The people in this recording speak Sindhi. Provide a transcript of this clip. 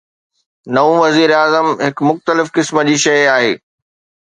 نئون وزيراعظم هڪ مختلف قسم جي شيء آهي.